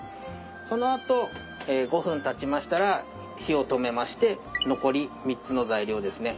そのあと５分たちましたら火を止めまして残り３つの材料ですね